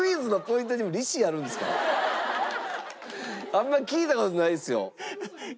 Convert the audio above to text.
あんまり聞いた事ないですよ。